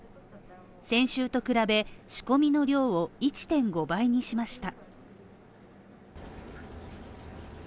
先週と比べ仕込みの量を１．５倍にしました。